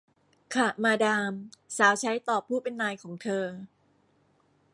ค่ะ มาดาม สาวใช้ตอบผู้เป็นนายของเธอ